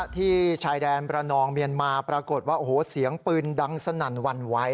ที่ชายแดนประนองเมียนมาปรากฏว่าโอ้โหเสียงปืนดังสนั่นหวั่นไหว